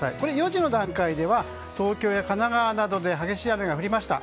４時の段階では東京や神奈川などで激しい雨が降りました。